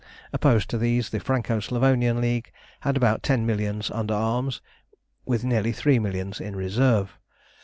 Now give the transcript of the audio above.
Opposed to these, the Franco Slavonian League had about ten millions under arms, with nearly three millions in reserve.